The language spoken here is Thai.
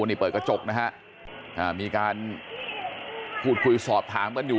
นี่เปิดกระจกนะฮะมีการพูดคุยสอบถามกันอยู่